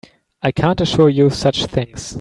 I can't assure you such things.